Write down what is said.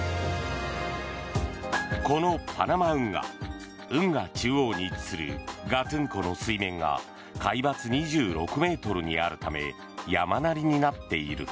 このパナマ運河運河中央に位置するガトゥン湖の水面が海抜２６ｍにあるため山なりになっている。